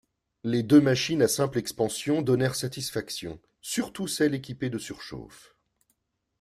Les deux machines à simple expansion donnèrent satisfaction, surtout celle équipée de surchauffe.